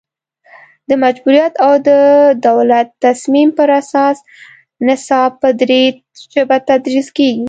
د مجبوریت او د دولت تصمیم پر اساس نصاب په دري ژبه تدریس کیږي